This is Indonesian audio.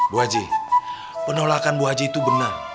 bu aji penolakan bu aji itu benar